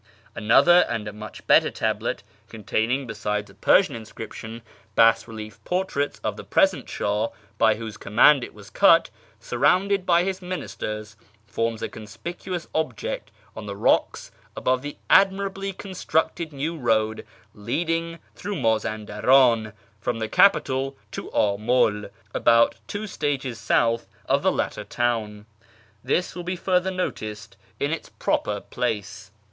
Another and a much better tablet, containing, besides a Persian inscription, bas relief portraits of the present Shah (by whose command it was cut) surrounded by his ministers, forms a conspicuous object on the rocks above the admirably constructed new road leading through i\Iazandaran from the capital to Amul, about two stages south of tlie latter town. This will be further noticed in its proper place.